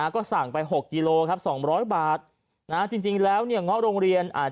๑๐๐ก็สั่งไป๖กิโลครับ๒๐๐บาทจริงแล้วเนี่ยเงาะโรงเรียนอาจ